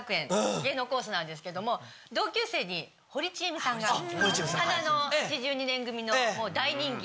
なんですけども同級生に堀ちえみさんが花の８２年組の大人気の。